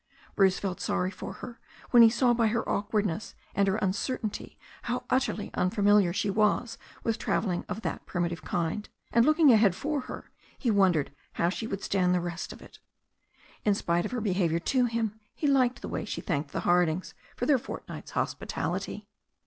Bruce felt sorry for her when he saw by her awkwardness and her uncertainty how utterly unfamiliar she was with travelling of that primitive kind; and, looking ahead for her, he wondered how she would stand the rest of it. In spite of her behaviour to him, he liked the way she thanked the Hardings for their fortnight's hospitality.